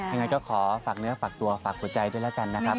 ยังไงก็ขอฝากเนื้อฝากตัวฝากหัวใจด้วยแล้วกันนะครับ